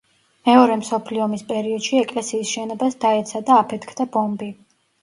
მეორე მსოფლიო ომის პერიოდში ეკლესიის შენობას დაეცა და აფეთქდა ბომბი.